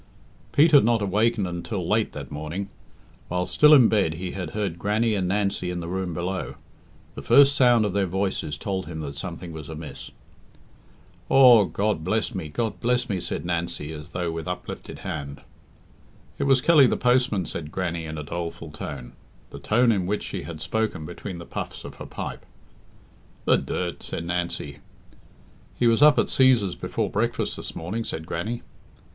Pete had not awakened until late that morning. While still in bed he had heard Grannie and Nancy in the room below. The first sound of their voices told him that something was amiss. "Aw, God bless me, God bless me!" said Nancy, as though with uplifted hands. "It was Kelly the postman," said Grannie in a doleful tone the tone in which she had spoken between the puffs of her pipe. "The dirt!" said Nancy. "He was up at Cæsar's before breakfast this morning," said Grannie.